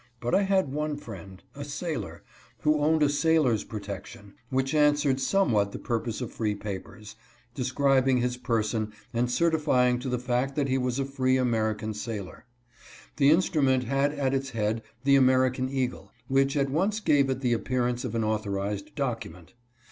But I had one friend — a sailor — who owned a sailor's protection, which answered somewhat the purpose of free papers — describing his per son and certifying to the fact that he was a free Ameri can sailor. The instrument had at its head the American eagle, which at once gave it the appearance of an author ized document.